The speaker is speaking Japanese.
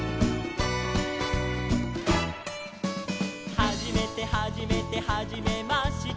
「はじめてはじめてはじめまして」